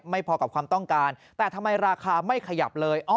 พอกับความต้องการแต่ทำไมราคาไม่ขยับเลย